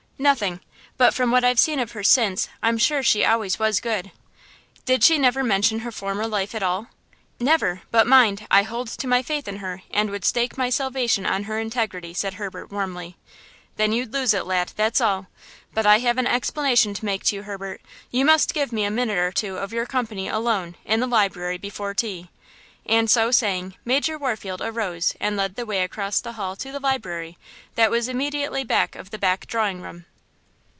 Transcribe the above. "Nothing; but from what I've seen of her since I'm sure she always was good." "Did she never mention her former life at all?" "Never; but, mind, I hold to my faith in her, and would stake my salvation on her integrity," said Herbert, warmly. "Then you'd lose it, lad, that's all; but I have an explanation to make to you, Herbert. You must give me a minute or two of your company alone, in the library, before tea." And so saying, Major Warfield arose and led the way across the hall to the library, that was immediately back of the back drawing room.